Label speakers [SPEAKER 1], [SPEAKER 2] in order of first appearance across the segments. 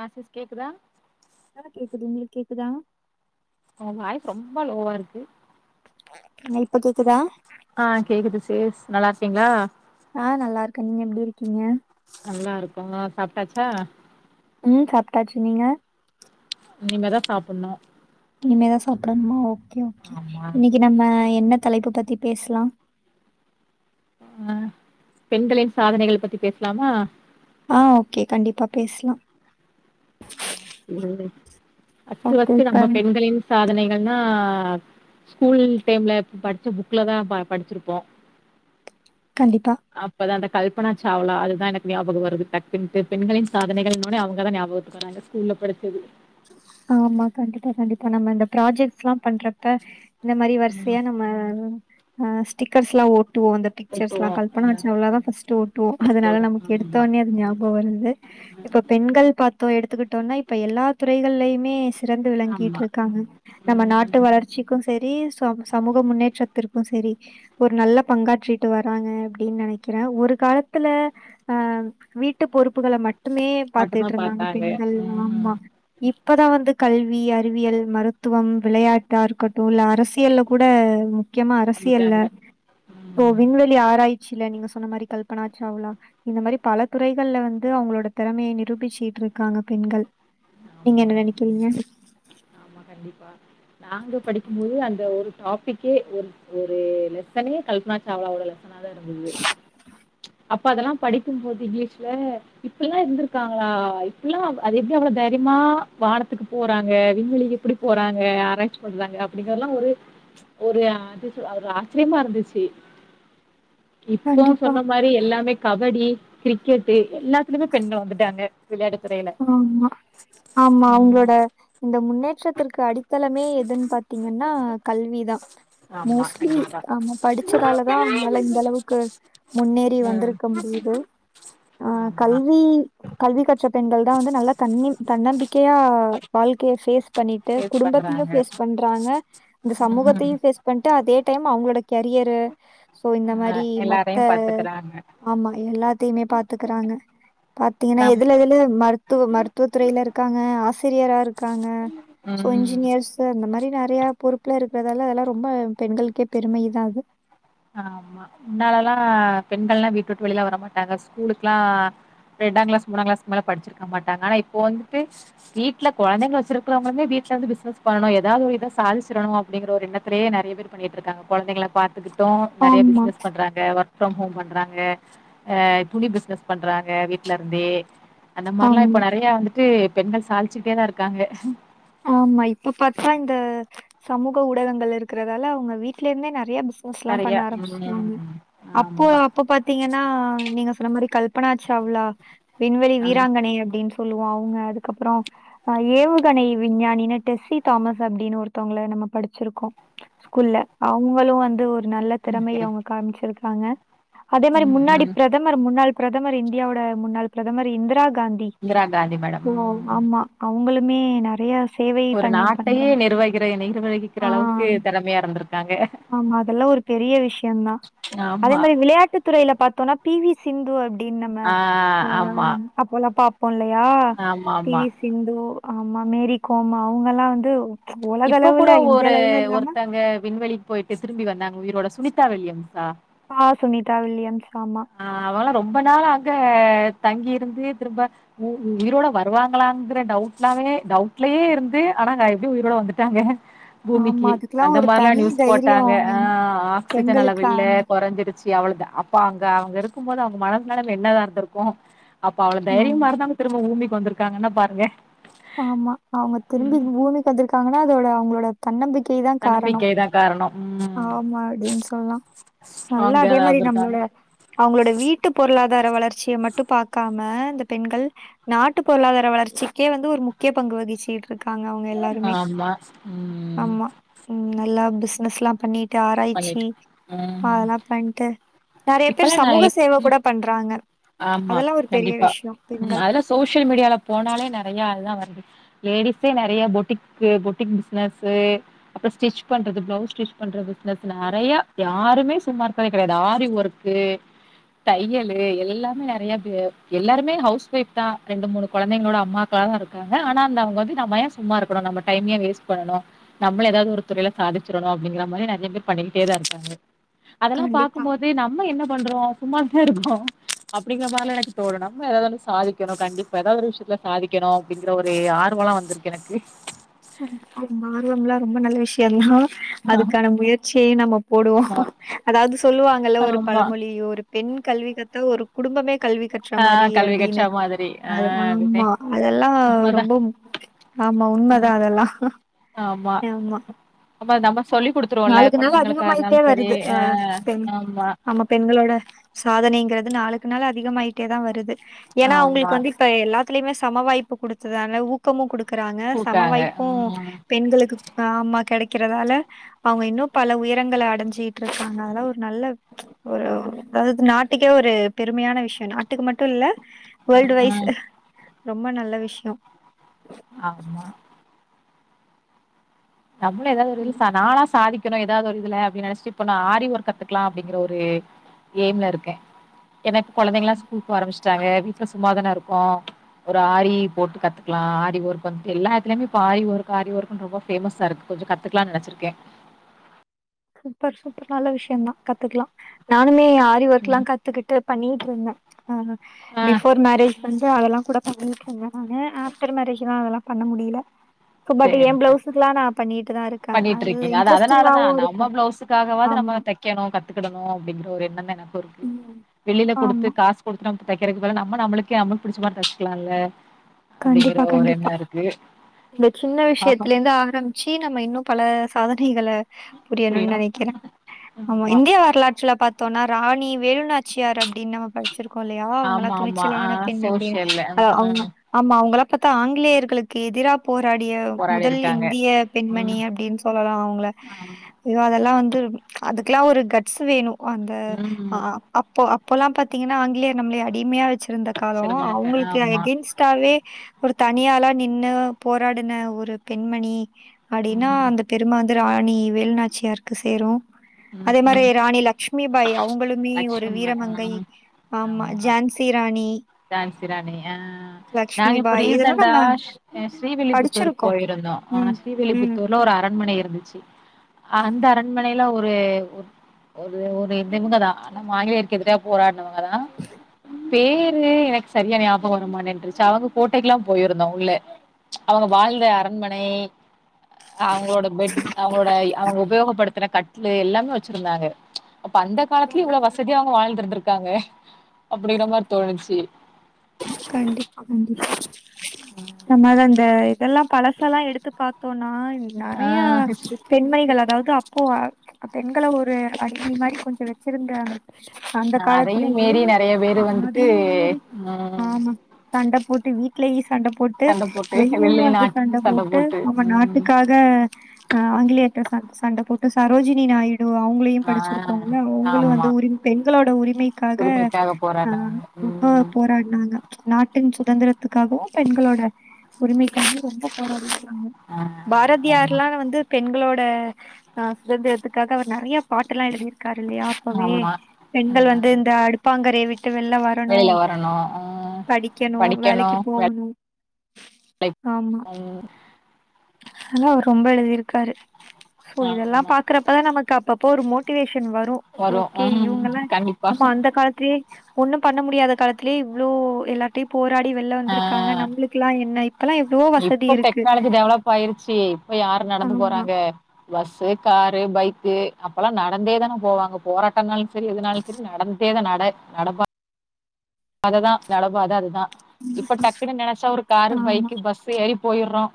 [SPEAKER 1] ஆ sis கேக்குதா
[SPEAKER 2] ஆ கேக்குது உங்களுக்கு கேக்குதா
[SPEAKER 1] உங்க வாய்ஸ் ரொம்ப லோவா இருக்கு
[SPEAKER 2] இப்ப கேக்குதா
[SPEAKER 1] ஆஹ் கேக்குது சிஸ் நல்லா இருக்கீங்களா
[SPEAKER 2] ஆஹ் நல்லா இருக்கே நீங்க எப்டி இருக்கீங்க
[SPEAKER 1] நல்லா இருக்கோங்க சாப்ட்டாச்சா
[SPEAKER 2] உம் சாப்ட்டாச்சு நீங்க
[SPEAKER 1] இனிமேதா சாப்புட்னு
[SPEAKER 2] இனிமேதா சாப்பிடனுமோ ஓகே ஓகே
[SPEAKER 1] ஆமா
[SPEAKER 2] இன்னைக்கி நம்ம என்ன தலைப்பு பத்தி பேசலா
[SPEAKER 1] ஆஹ் பெண்களின் சாதனைகள் பத்தி பேசலாமா
[SPEAKER 2] ஆஹ் ஓகே கண்டிப்பா பேசலா
[SPEAKER 1] [unintelligible] ஃபர்ஸ்ட்
[SPEAKER 2] ஓகே
[SPEAKER 1] ஃபர்ஸ்ட்டு
[SPEAKER 2] இப்ப
[SPEAKER 1] நம்ம பெண்களின் சாதனைகள்னா ஸ்கூல் டைம்ல படிச்ச புக்லதா ப படிச்சிருப்போ
[SPEAKER 2] கண்டிப்பா
[SPEAKER 1] அப்பதா அந்த கல்பனா சாவ்லா அதுதா எனக்கு ஞாபகம் வருது டக்குன்னு பெ பெண்களின் சாதனைகள்னவுட்னே அவங்கதா ஞாபகத்துக்கு வராங்க இல்ல படித்ததில்ல
[SPEAKER 2] ஆமா கண்டிப்பா-கண்டிப்பா நம்ம இந்த ப்ராஜெக்ட்ஸ்லாம் பண்றப்ப இந்த மாரி வரிசையா நம்ம ஆஹ் ஸ்டிக்கர்ஸ்லா ஒ ட்டுவோ அந்த பிக்சர்ஸ்லா
[SPEAKER 1] கட்டுவோ
[SPEAKER 2] கல்பான
[SPEAKER 1] ஆ
[SPEAKER 2] சாவ்லாதா ஃபஸ்ட் ஓட்டுவோ
[SPEAKER 1] ஃபஸ்ட்டு
[SPEAKER 2] அதனால
[SPEAKER 1] வரு
[SPEAKER 2] நமக்கு
[SPEAKER 1] ஆமா
[SPEAKER 2] எடுத்தவுட்னே அது ஞாபகோ வருது இப்ப பெண்கள் பாத் தோ எடுத்துக்கிட்டோன்னா இப்ப எல்லா துறைகள்லயுமே சிறந்து விளங்கிட்டு
[SPEAKER 1] ஆமா
[SPEAKER 2] இருக்காங்க நம்ம
[SPEAKER 1] ம்
[SPEAKER 2] நாட்டு வளர்ச்சிக்கும் செரி சமூ-சமூக முன்னேற்றத்திற்கும் செரி ஒரு நல்ல பங்காற்றிட்டு வராங்க அப்டின்னு நெனைக்கிறே ஒரு காலத்துல ஆ வீட்டு பொறுப்புகள மட் மட்டுமே
[SPEAKER 1] மட்டுந்தா
[SPEAKER 2] பாத்துட்ருந்தாங்க
[SPEAKER 1] பாத்தாங்க
[SPEAKER 2] பெண்கள் ஆமா
[SPEAKER 1] ம்
[SPEAKER 2] இப்பதா வந்து கல்வி அறிவியல் மருத்துவம் விளையாட்டா இருக்கட்டு இல்ல அரசு சியல்ல கூட முக்கியமா அரசியல்ல
[SPEAKER 1] வந்துட்டாங்க
[SPEAKER 2] தோ
[SPEAKER 1] ம்
[SPEAKER 2] விண்வெளி ஆராய் சில நீங்க சொன்ன மாரி கல்பனா சாவ்லா இந்த மாரி பல துறைகள்ல வந்து அவங்களோட திறமையை நிரூபிச்சுட்டு இருக்காங்க பெண்கள் நீங்க
[SPEAKER 1] ஆமா
[SPEAKER 2] என்ன நெனைக்கிறீங்க
[SPEAKER 1] ஆமா கண்டிப்பா நாங்க படிக்கும் போது அந்த ஒரு டாப்பிக்கே ஒரு-ஒரு லெசனே கல்பனா சாவ்லாவோட னாதா இருந்தது அப்ப அதெல்லா படிக்கும்போது இங்கிலீஷ்ல இப்பிடில்லா இருந்திருக்காங்களா இப்பிடில்லா அது எப்டி அவ்ளோ தைரியமா வானத்துக்கு போறாங்க விண்வெளிக்கு எப்டி போறாங்க ஆராய்ச்சி பண்றாங்க அப்படிங்கிறலா ஒரு ஒரு ஆச்சரியமா இருந்துச்சு இப்போ
[SPEAKER 2] கண்டிப்பா.
[SPEAKER 1] சொல்ல மாரி எல்லாமே கபடி கிரிக்கெட்டு் எல்லாத்துலயுமே பெண்கள் வந்துட்டாங்க விளையாட்டு துறையில
[SPEAKER 2] ஆமா-ஆமா
[SPEAKER 1] ம்
[SPEAKER 2] அவுங்களோட இந்த முன்னேற் [unintelligible] அடித்தளமே எதுன்னு பாத்தீங்கன்னா கல்விதா
[SPEAKER 1] ஆமா
[SPEAKER 2] மோஸ்ட்லி
[SPEAKER 1] கண்டிப்பா
[SPEAKER 2] நாம படிச்சதாலதா அவங்கள்லா இந்த அளவுக்கு முன்னேறி
[SPEAKER 1] ம்
[SPEAKER 2] வந்திருக்க முடியுது அஹ்
[SPEAKER 1] ஆமா
[SPEAKER 2] கல்வி கல்வி கற்ற பெண்கள் தான் வந்து நல்லா கண்ணி தன்னம்பிக்கையா வாழ்க்கையை பேஸ் பண்ணிட்டு
[SPEAKER 1] சேவ்
[SPEAKER 2] குடும்பத்தையும்
[SPEAKER 1] பண்றாங்க
[SPEAKER 2] பேஸ் பண்றாங்க இந்த
[SPEAKER 1] ம்
[SPEAKER 2] சமூகத்தையும் பேஸ் பண்ணிட்டு அதே [unintelligible] கெரியரு சோ இந்த
[SPEAKER 1] ஆ
[SPEAKER 2] மாரி
[SPEAKER 1] எல்லாரையு
[SPEAKER 2] மத்த
[SPEAKER 1] பாத்துக்கறாங்க
[SPEAKER 2] ஆமா எல்லா எத்தையுமே பாத்துக்கறாங்க பாத்தீங்கன்னா
[SPEAKER 1] நம்
[SPEAKER 2] எதுல எதுல மருத்துவ மருத்துவத்துறையில் இருக்காங்க ஆசி பிரியரா இருக்காங்க சோ
[SPEAKER 1] ம்
[SPEAKER 2] இன்ஜினியர்ஸ் அந்த மாதிரி நைரி நிறையா பொறுப்புல இருக்கறதால அதெல்லாம் ரொம்ப பெண்களுக்கே பெருமைதான் அது
[SPEAKER 1] ஆமா முன்னாலலாம் பெண்கள் எல்லாம் வீட்டு விட்டு வெளியிலாம் வரமாட்டாங்க ஸ்கூலுக்குலாம் ரெண்டா கிளாஸ் மூணா கிளாஸ்க்கு மேல படிச்சிருக்க மாட்டாங்க ஆனா இப்போ வந்துட்டு வீட்டுல குழந்தைங்க வச்சிருக்கிறவங்களுமே வீட்டுல வந்து பிசினஸ் பண்ணணும் ஏதாவது ஒரு இதை சாதிச்சிடணும் அப்படிங்கிற ஒரு எண்ணத்தலயே நிறைய பேர் பண்ணிட்டு இருக்காங்க குழந்தைங்களை பாத்துக்கிட்டு [unintelligible] நிறைய
[SPEAKER 2] ஆமா,
[SPEAKER 1] பிசினஸ் பண்றாங்க ஒர்க் ப்ரம் ஹோம் பண்றாங்க ஹ துணி பிசினஸ் பண்றாங்க ஆ வீட்டு்ல இருந்தே அந்த மாதிரல்லாம்
[SPEAKER 2] ஆமா.
[SPEAKER 1] இப்ப நிறைய வந்துட்டு பெண்கள் சாதிசிட்டே தான் இருக்காங்க
[SPEAKER 2] ஆமா இப்ப பாத்தா இந்த சமூக ஊடகங்கள் இருக்கிறதால அவங்க வீட்ல இருந்தே நிறைய போர்ஸ்லா பண்ண
[SPEAKER 1] நெறையா.
[SPEAKER 2] ஆரம்பிச்சுட்டாங்க
[SPEAKER 1] ம்.
[SPEAKER 2] அப்போ
[SPEAKER 1] ஆமா.
[SPEAKER 2] அப்ப பாத்தீங்கன்னா நீங்க சொன்ன மாதிரி கல் ப்பனா சாவலா விண்வெளி
[SPEAKER 1] ஆ.
[SPEAKER 2] வீராங்கனை அப்படின்னு சொல்லுவான் அவங்க அதுக்கப்புறம் ஹ் ஏவுகணை விஞ்ஞானின டெஸி தாமஸ் அப்படின்னு ஒருத்தவங்க நம்ம படிச்சிருக்கோம் ஸ்கூல்ல அவங்களும் வந்து ஒரு நல்ல
[SPEAKER 1] ஓகே.
[SPEAKER 2] திறமைய அவங்க காமிச்சிருக் ப்பாங்க அதே
[SPEAKER 1] ம்.
[SPEAKER 2] மாதிரி முன்னாடி
[SPEAKER 1] ம்.
[SPEAKER 2] பிரதமர் முன்னாள் பிரதமர் இந்தியாவோட முன்னாள் பிரதமர் இந்திரா காந்தி
[SPEAKER 1] இந்திரா காந்தி மேடம்.
[SPEAKER 2] ஓ
[SPEAKER 1] ம்.
[SPEAKER 2] ஆமா அவங்களுக்கு மேனாட் ரியாஸ் சேவை
[SPEAKER 1] ஒரு
[SPEAKER 2] பண்ணி
[SPEAKER 1] நாட்டையே
[SPEAKER 2] பண்றேன்
[SPEAKER 1] நிர்வகிக்கிற நிர்வகிக்கிற
[SPEAKER 2] ஆஹ
[SPEAKER 1] அளவுக்கு திறமையா இருந்திருக்காங்க
[SPEAKER 2] ஆமா அதெல்லாம் ஒரு பெரிய விஷயம் தான் அதே
[SPEAKER 1] ஆமா
[SPEAKER 2] மாதிரி விளையாட்டு துறையில பாத்தோனா பிவி சிந்துவட் ஏய் நம்ம
[SPEAKER 1] ஆ
[SPEAKER 2] ஹ
[SPEAKER 1] ஆமா
[SPEAKER 2] அப்போல்லாம் பா போம்ல்லையா
[SPEAKER 1] ஆமா ஆமா
[SPEAKER 2] டிவி சிந்து ஆமா மேரி கோம் மா அவங்க எல்லாம் வந்து உலக
[SPEAKER 1] இப்ப கூட
[SPEAKER 2] அளவுல இந்திய
[SPEAKER 1] ஒரு
[SPEAKER 2] அளவுல இல்லாம
[SPEAKER 1] ஒருத்தங்க விண்வெளிக்கு போயிட்டு திரும்பி வந்தாங்க உயிரோட சுனதா வில்லியம்ஸா
[SPEAKER 2] ஆ சுனிதா வில்லியம்ஸ் ஆமா.
[SPEAKER 1] ஆஹ் அவல்லாம் ரொம் ரொம்ப நாள் அங்க தங்கிருந்து திரும்ப உ உயிரோட வருவாங்களாங்கிற டவுட் நாளையே டவுட்லயே இருந்து ஆனாங்க எப்டி உயிரோட வந்துட்டாங்க
[SPEAKER 2] ஆமா
[SPEAKER 1] பூமிக்கு
[SPEAKER 2] அதுக்கெல்லா
[SPEAKER 1] அந்த
[SPEAKER 2] ஒரு
[SPEAKER 1] மாரில்லா
[SPEAKER 2] தனி
[SPEAKER 1] நியூஸ் போட்டாங்க
[SPEAKER 2] தைரியம்
[SPEAKER 1] ஆ
[SPEAKER 2] வேணும்.
[SPEAKER 1] ஆக்சிஜன் அளவு
[SPEAKER 2] பெண்களுக்கு
[SPEAKER 1] இல்ல
[SPEAKER 2] அந்த
[SPEAKER 1] கொறைஞ்சிருச் ச்சி அவ்ளதா அப்பாங் அவங்க இருக்கும்போது அவங்க மனசு ந என்னதான் இருந்த இருக்கும் அப்ப அவள
[SPEAKER 2] ஆ
[SPEAKER 1] தைரிய இருந்தாங்க [unintelligible] வந்துருக்காங்கன்னா பாருங்க
[SPEAKER 2] ஆமா அவங்க திரும்பி பூமிக்கு வந்திருக்காங்க [unintelligible] அதோட அவங்களோட தன்னம்பிக்
[SPEAKER 1] தன்னம்பிக்கைதா காரணோ ம்
[SPEAKER 2] ஆமா அப்டின்னு சொல்லலா நல்லா
[SPEAKER 1] ஸ்ட்ராங்கா
[SPEAKER 2] அதே
[SPEAKER 1] தான்
[SPEAKER 2] மாரி நம்மளோட
[SPEAKER 1] இருந்திருக்காங்க
[SPEAKER 2] அவங்களோட வீட்டு பொருளாதார வளர்ச்சிய மட்டு பாக்கா நம்ம இந்த பெண்கள் நாட்டு பொருளாதார வளர்ச்சிக்கே வந்து ஒரு முக்கிய பங்கு வகிச்சிட்டு இருக் இருக்காங்க அவங்க எல்லாருமே
[SPEAKER 1] ஆமா ம்
[SPEAKER 2] ஆமா உம் நல்லா பசினஸ்லாம் பன்னீர்
[SPEAKER 1] பண்ணிட் ம் ம்
[SPEAKER 2] பண்ட்டு நெறைய
[SPEAKER 1] இப்பல்லா
[SPEAKER 2] பேர்
[SPEAKER 1] நான்
[SPEAKER 2] சமூக
[SPEAKER 1] எப்
[SPEAKER 2] சேவ
[SPEAKER 1] ம்
[SPEAKER 2] கூட பண்றாங்க
[SPEAKER 1] ஆமா
[SPEAKER 2] அதெல்லா ஒரு பெரிய
[SPEAKER 1] கண்டிப்பா
[SPEAKER 2] விஷயம்
[SPEAKER 1] ம்
[SPEAKER 2] பெண்கள்
[SPEAKER 1] அதல்லா சோஷியல் மீடியால போனாலே நெறைய அதான் வருது லேடிஸே நெறைய பொட்டிக் பொட்டிக் பிஸ்னஸு அப்றோ ஸ்டிச் பண்றது பிளவுஸ் ஸ்டிச் பண்றது ப்ளஸ் நெறைய யாருமே சும்மா இருக்கறது கெடையாது ஆரி ஒர்க்கு தையலு எல்லாமே நெறைய பெ எல்லாருமே ஹவுஸ் ஒய்ஃப்தா ரெண்டு மூணு கொழந்தைங்களோட அம்மாக்களாக இருக்காங்க ஆனா அந்த அவங்க வந்து நம்ம ஏன் சும்மா இருக்கணு நம்ம டைம் ஏன் வேஸ்ட் பண்ணணு நம்மளு ஏதாவது ஒரு துறைல சாதிச்சிரணு அப்டிங்கற மாரி நெ [unintelligible] பண்ணிகிட்டே தான் இருக்காங்க அதெல்லாம்
[SPEAKER 2] கண்டிப்பா
[SPEAKER 1] பாக்கும்போது நம்ம என்ன பண்றோ சும்மாதா இருக்கோ அப்டிங்கறதால எனக்கு தோணணு ஏதாவது ஒண்ணு சாதிக்கணு கண்டிப்பா ஏதாவது ஒரு விஷயத்துல சாதிக்கணு அப்டிங்கிற ஒரு ஆர்வம்லா வந்திருக்கு எனக்கு
[SPEAKER 2] அவங்க ஆர்வம்ல்லாம் ரொம்ப நல்ல விஷயம் தான் அதுக்கான முயற் செய்ணு [unintelligible] போடுவோ
[SPEAKER 1] ஆமா
[SPEAKER 2] அதாவது சொல்லுவாங்கல்ல ஒரு
[SPEAKER 1] ஆமா
[SPEAKER 2] பழமொழி ஒரு பெண் கல்வி கத் த்து ஒரு குடும்பமே கல்வி கற்ற மாரி
[SPEAKER 1] ஆஹ் கல்வி
[SPEAKER 2] அப்டின்னு
[SPEAKER 1] கற்ற மாதிரி
[SPEAKER 2] அது
[SPEAKER 1] ஆஹ் அதுதே
[SPEAKER 2] ஆமா அதெல்லா
[SPEAKER 1] உண்மதான்
[SPEAKER 2] ரொம்ப ஆமா உண்ம அதெல்லா ஆமா
[SPEAKER 1] அப்ப நம்ம சொல்லி குடுத்துருவோம்ல
[SPEAKER 2] நாளுக்கு நாள்
[SPEAKER 1] குழந்தைங்களுக்கா
[SPEAKER 2] அதிகமாயிட்டே
[SPEAKER 1] இருந்தாலும் சரி
[SPEAKER 2] வருது அ
[SPEAKER 1] ஆஹ்
[SPEAKER 2] பெண்
[SPEAKER 1] ஆமா
[SPEAKER 2] நம்ம பெண்களோட சாதனைங்கிறத் நாளுக்கு நாள் அதிகமாயிட்டே தான் வருது ஏன்னா
[SPEAKER 1] ஆமா
[SPEAKER 2] அவங்களுக்கு வந்து இப்ப எல்லா த்தியுமே சம வாய்ப்பு குடுத்த தாள ஊக்கமும் குடு குறாங்க
[SPEAKER 1] கூக்காங்க
[SPEAKER 2] சமவாய்ப்பு
[SPEAKER 1] உம்
[SPEAKER 2] பெண்களுக்கு ஆமா கடை க்கிறதால அவங்க இன்னும் பல உயரங்களை அடைஞ்சிட்ருக்காங்க அதான் ஒரு நல்ல ஒரு அதாவது நாட்டுக்கே ஒரு பெருமையான விஷயம் நாட்டுக்கு மட்டு இல்ல
[SPEAKER 1] உம்
[SPEAKER 2] வேர்ல்ட் வைஸ்
[SPEAKER 1] உம்
[SPEAKER 2] ரொம்ப நல்ல விஷயம்
[SPEAKER 1] ஆமா நம்மளே ஏதாவது ஒரு [unintelligible] நாளா சாதிக் ஏதாவது ஒரு இதுல அப்படின்னு நினைச்சிட்டு இப்போன ஆரி ஒர்க் கத்துக்கலா அப்படிங்கிற ஒரு எய்ம்ல இருக்க எனக் கொளந்தைங்களா ஸ்கூல் போக ஆரம்பிச்ட் காங்க வீட்ல சும்மாதானா இருக்கோ ஒரு ஆரி போட்டு கத்துக்கலா ஆரி ஒர்க் வந்துட்டு எல்லாத்துலயுமே இப்ப ஆரி ஒர்க் ஆரி ஒர்க் ன்னு ரொம்ப பேமஸா இருக்கு கொஞ்சம் கத்துக்கலானு நினச்சிருக்கேன்
[SPEAKER 2] சூப்பர் சூப்பர் நல்ல விஷயம் தான் கத்துக்கலா ந இனி ஆரி ஒர்க்ல்லா கத்துக்கிட்டு பண்ணி க்கருன்ன ஆஹ
[SPEAKER 1] ஆ
[SPEAKER 2] பிஃபோர் மேரேஜ் வந்து [unintelligible] அதெல்லாம் கூட பண்ணிட்டு இருந்தேன் நானே ஆஃப்டர் மேரேஜ்லா அதெல்லா பண்ண முடியல பட்
[SPEAKER 1] சேரி
[SPEAKER 2] ஏன்
[SPEAKER 1] சேரி
[SPEAKER 2] பிளவுசுகள நா பண்ணிட்டுதா இருக்க
[SPEAKER 1] பண்ணிட்டு
[SPEAKER 2] அது
[SPEAKER 1] இருக்கீங்க அதனாலதா
[SPEAKER 2] இன்ட்ரெஸ்ட்ங்காவோ இருக்
[SPEAKER 1] நம்ம ப்ளௌஸ்சுக்காகவாது நம்ம தைக்கணு க த்துக்கடணு அப்டிங்கிற ஒரு எண்ணம் தா நம
[SPEAKER 2] ம்.
[SPEAKER 1] வெளில குடுத்து
[SPEAKER 2] ஆமா.
[SPEAKER 1] காஸ் குடுத்தும் தைக்கிறதுக்கு பதிலா நம்ம நம்மளுக்கே நம்ளுக்கு புடிச்ச மாரி தைச்சிக்கலாம்ல்ல
[SPEAKER 2] கண்டிப்பா கண்டிப்பா சின்ன
[SPEAKER 1] பாப்போ
[SPEAKER 2] விஷயத்தில இருந்து ஆரம்ச்சி நம்ம இன்னும் பல சாத [unintelligible]
[SPEAKER 1] புரியு
[SPEAKER 2] புரியணும்னு நினைக்கிறேன் ஆமா இந்தியா வரலாற்றில பாத் தோன ராணி வேலுணாச்சியார் அப் அப்டின்னு நம்ம படிச்சிருகோல்லையா உங்கள
[SPEAKER 1] ஆமா ஆமா ஆ
[SPEAKER 2] துணிச்சலான பெண் அப்படின்னு
[SPEAKER 1] சோசியல்ல
[SPEAKER 2] ஹ அவங்க
[SPEAKER 1] ம்
[SPEAKER 2] ஆமா அவங்கள பாத்தா ஆங்கிலேயர்களுக்கு எதிரா போராடிய
[SPEAKER 1] போராடி
[SPEAKER 2] முதல்
[SPEAKER 1] இருக்காங்க
[SPEAKER 2] இந்திய பெண்மணி
[SPEAKER 1] ம்
[SPEAKER 2] அப்டின்னு சொல்லலாம் அவங்கள
[SPEAKER 1] ஆமா
[SPEAKER 2] ஐயோ அதெல்லாம் வந்து அதுக்கெல்லா ஒரு கட்ஸ் வேணு வந்து அ
[SPEAKER 1] ம்
[SPEAKER 2] அப்போ அப் இப்பல்லா பாத்தீங்கன்னா அங்கிலேயார் நம்மளை அடிமையா சிறந்த காலம்
[SPEAKER 1] சொன்னாங்க
[SPEAKER 2] அவங்களுக்கு
[SPEAKER 1] ஆமா
[SPEAKER 2] எகென்ஸ்ட் ஒரு தனியாலா நின்னு போராடின ஒரு பெண்மணி அப்படின்னா
[SPEAKER 1] ம்
[SPEAKER 2] அந்த பெரும ராணி வேலுநாச்சியாருக்கு சேரும்
[SPEAKER 1] ம்
[SPEAKER 2] அதே மாரி
[SPEAKER 1] ம்
[SPEAKER 2] ராணி லக்ஷ்மி பாய் அவங்களுமே ஒரு
[SPEAKER 1] லக்ஷ்மி ஆ
[SPEAKER 2] வீரமங்கை ஆஹமா
[SPEAKER 1] ஆமா
[SPEAKER 2] ஜான்சி ராணி
[SPEAKER 1] ஜான்சி ராணி ஆ நாங்க இப்ப
[SPEAKER 2] லக்ஷ்மிபாய் இதெல்லாம்
[SPEAKER 1] ரீசண்டடா
[SPEAKER 2] நம்ம
[SPEAKER 1] ஸ்ரீவில்லிபுத்தூருக்கு
[SPEAKER 2] படிச்சிருக்கோம்.
[SPEAKER 1] போயிருந்தோம்
[SPEAKER 2] ம். ம்.
[SPEAKER 1] ஸ்ரீவில்லிபுத்தூர்ல ஒரு அரண்மனை இரு முச்சு அந்த அரண்மனை [unintelligible] ஒரு ஒரு [unintelligible] ஆனா ஆனா மாநிலத்துக்கு தா போராடுநாங்க
[SPEAKER 2] [inaudible]
[SPEAKER 1] பேரு எனக்கு சரியா ஞாபக வருமான்ருச்சி அவங்க கோட்டைக்குல்லாம் போயிருந்தோம் உள்ள அவங்க வாழ்ந்த அரண்மனை அவங்களோட பெட் அவங்களோட அவங்க உபயோகப்படுத்தின க [unintelligible] எல்லாமே வச்சிருந்தாங்க அப்ப அந்த காலத்துலயும் இவளோ வசதிய அவங்க வாழ்ந்து இருந்திருக் இருக்காங்க அப்டிங்கிற மாரி தோணுச்சி
[SPEAKER 2] கண்டிப்பா கண்டிப்பா நம்ம அது அந்த இதெல்லாம் பலசெல்லாம் எடுத்து பார்த்தோம்னா
[SPEAKER 1] ஆ
[SPEAKER 2] நறைய
[SPEAKER 1] ஹிஸ்ட்ரி
[SPEAKER 2] பெண்மணிகள் அதாவது அப் ப்போ அ பெண்கள ஒரு அடிமை மாரி கொஞ்சம் வச்சிருந்தாங்க அந்த
[SPEAKER 1] ஆஹ் அதையும்
[SPEAKER 2] காலத்திலயே
[SPEAKER 1] மீறி நறைய பேரு வந்துட்டு
[SPEAKER 2] அதையு மீறி
[SPEAKER 1] ம்
[SPEAKER 2] ஆமா தண்ட போட்டு வீட்டுலயே சண்டை போட்டு
[SPEAKER 1] சண்ட போட்டு வெளி
[SPEAKER 2] வெளியேயும் வந்து
[SPEAKER 1] நாட்டு
[SPEAKER 2] சண்டை
[SPEAKER 1] சண்ட
[SPEAKER 2] போட்டு நம்ம
[SPEAKER 1] ம்
[SPEAKER 2] நாட்டுக்காக ஆஹ் ஆங்கிலேயர்ட சண்ட போட்டு சரோஜினி நாய்டு அவங்களையும்
[SPEAKER 1] ஆ
[SPEAKER 2] படிச்சிருக்கோங்கா அவங்களும்
[SPEAKER 1] ஆமா
[SPEAKER 2] வந்து உரி பெண்களோட உரிமைக்காக
[SPEAKER 1] உரிமைக்காக
[SPEAKER 2] ஆஹ
[SPEAKER 1] போராடுனாங்க
[SPEAKER 2] ரொம்ப
[SPEAKER 1] ம்
[SPEAKER 2] போராடுனாங்க நாட்டின் சுதந்திரத்துக்காகவும் பெண்களோட உரிமைக்காக ரொம்ப போராடுனாங்க ஆமா
[SPEAKER 1] ஆ ஆமா
[SPEAKER 2] பாரதியார்ல்லாம் வந்து பெண்களோ ட சுதந்திரத்துக்காக அவர் நறைய பாட்டு எல்லாம் எழுதியிரு க்கரு இல்லையா அப்பவே
[SPEAKER 1] ஆமா ஆ
[SPEAKER 2] பெண்கள் வந்து இந்த அடுப்பாங்கரயவிட்டு ட்டு வெல்ல வரணும்
[SPEAKER 1] வெளில வரணு ம்
[SPEAKER 2] படிக்கணும்
[SPEAKER 1] படிக்கணு
[SPEAKER 2] வேலைக்கு போகணும்
[SPEAKER 1] ம்
[SPEAKER 2] ஆனா அவரு ரொம்ப எழுதிருக்காரு சோ இதெல்லா
[SPEAKER 1] ஆமா
[SPEAKER 2] பாக்குறப்பதா நமக்கு அப்ப போ ஒரு மோட்டிவே [unintelligible] வரு ஓகே
[SPEAKER 1] ம்
[SPEAKER 2] இவுங்கல்லா
[SPEAKER 1] கண்டிப்பா
[SPEAKER 2] நம்ம அந்த காலத்துலயே ஒண்ணும் பண்ண முடியாத காலத்து தளே இவ்ளோ எல்லார்ட்டையும் போ போராடி வெளில
[SPEAKER 1] ஆ
[SPEAKER 2] வந்திருக்காங்க நம்மளுக்குயெல்லாம் என்ன இ
[SPEAKER 1] இப்ப டெக்னாலஜி டெவலப் ஆயிருச்சு இப்ப யாரு நடந்து
[SPEAKER 2] ஆமா
[SPEAKER 1] போறாங்க பஸ் இப்ப காரு பைக்கு அப்பல்லா நடந்தேதான போவாங்க போராட்டனாலும் செரி எதுனாலு செரி நடந்தேதா நட நடப்பா அததா நடந்தது அதுதா இப்ப டக்குனு நெனச்சா ஒரு காரு
[SPEAKER 2] ஆமா
[SPEAKER 1] பைக்கு பஸ்ஸு ஏறி போய்றோம்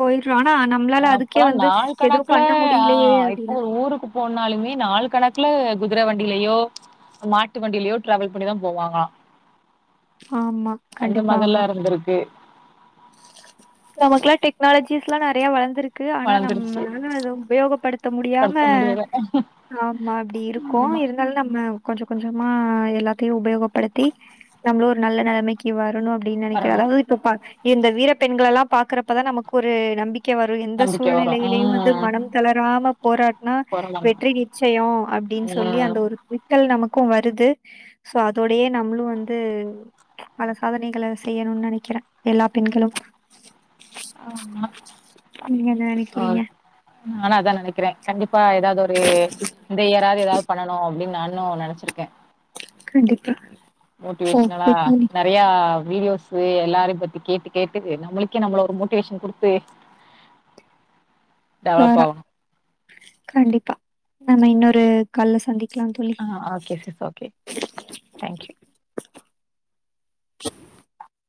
[SPEAKER 2] போயிட்றோ ஆனா நம்ளால அதுக்கே
[SPEAKER 1] அப்ல்லாம்
[SPEAKER 2] வந்து
[SPEAKER 1] நாள்
[SPEAKER 2] எதுவு
[SPEAKER 1] கணக்குல
[SPEAKER 2] பண்ண
[SPEAKER 1] ஹா
[SPEAKER 2] முடியலையே
[SPEAKER 1] இப்போ
[SPEAKER 2] அப்டின்னு
[SPEAKER 1] ஒரு ஊருக்கு போனாலுமே நால கணக்கு [unintelligible] குதிரை வண்டியிலயோ மாட்டு வண்டியிலேயோ ட்ராவல் பண்ணித போவாங்க
[SPEAKER 2] ஆமா
[SPEAKER 1] அந்த மாரல்லா இருந்திருக்கு
[SPEAKER 2] நமக்கெல்லா டெக்னாலஜீஸ் எல்லா நெறைய வளந்துருக் இருக்கு ஆனா
[SPEAKER 1] வளந்துருச்சு
[SPEAKER 2] நம்மளால அதை உபயோகப்படுத்த முடியாம
[SPEAKER 1] படுத்த முடியல
[SPEAKER 2] ஆமா அப்டி இருக்கும் இருந்தாலும் நம்ம கொஞ்ச கொஞ்சமா எல்லாத்தையு உபயோகப்படுத்தி நம்மள ஒரு நல்ல நெலைமைக்கி வர ணும் அப்டின்னு நினைக்கிறே
[SPEAKER 1] வரணு
[SPEAKER 2] அளவு இப்ப இந்த வீர பெண்கயெல்லாம் பாக்குறப்பதான் நமக்கு ஒரு நம்பிக் [unintelligible] எந்த
[SPEAKER 1] நம்பிக்க வரு
[SPEAKER 2] சூழ்நிலையிலயு
[SPEAKER 1] ம்
[SPEAKER 2] வந்து மனம் தளராம போராடுனா
[SPEAKER 1] போராடலா
[SPEAKER 2] வெற்றி நிச்சயோ அப்டின்னு சொல்லி அந்த
[SPEAKER 1] ம்
[SPEAKER 2] ஒரு [unintelligible] நமக் க்கும் வருது சோ அதோடயே நம்மளு வந்து பல சாதனைகளை செய்யணுன்னு நெனைக்கிறே எல்லா பெண்களும் நீங்க என்ன
[SPEAKER 1] ஹா
[SPEAKER 2] நெனைக்கிறீங்க
[SPEAKER 1] நானும் அதான் நனைக்கிறேன் கண்டிப்ப இப்பா ஏதாவது ஒரு இந்த இயராவது ஏதாவது பண்ணனு அப்டின்னு நானு நெனைச்சிருக்கே
[SPEAKER 2] கண்டிப்பா
[SPEAKER 1] மோட்டிவேஷனலா
[SPEAKER 2] ஓகே தோழி
[SPEAKER 1] நெறையா வீடியோஸ் எல்லாரையும் பத்தி கேட்டு-கேட்டு நம்மளுக்கே நம்மள ஒரு மோட்டிவேஷன் குடுத்து
[SPEAKER 2] வேற
[SPEAKER 1] டெவலப் ஆகணு
[SPEAKER 2] கண்டிப்பா நம்ம இன்னொரு கால்ல ச
[SPEAKER 1] ஆ ஓகே [unintelligible] ஓகே தேங்க்யூ
[SPEAKER 2] [inaudible]